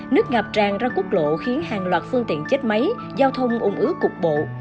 nước ngập tràn ra quốc lộ khiến hàng loạt phương tiện chết máy giao thông ung ứa cục bộ